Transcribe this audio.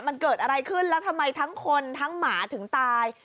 มันเกิดอะไรขึ้นแล้วทำไมทั้งคนทั้งหมาถึงตาย